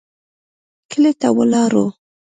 کلي ته ولاړو.